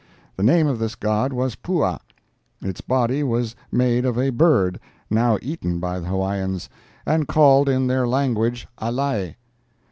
The name of this god was Pua; its body was made of a bird, now eaten by the Hawaiians, and called in their language alae.